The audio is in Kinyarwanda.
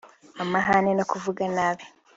amahane no kuvuga nabi